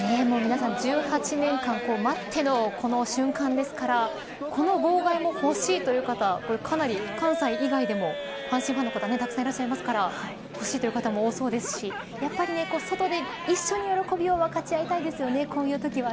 １８年間待ってのこの瞬間ですからこの号外もほしいという方かなり、関西以外でも阪神ファンの方たくさんいらっしゃいますからほしいという方も多そうですしやはり外で一緒に喜びを分かち合いたいですよね。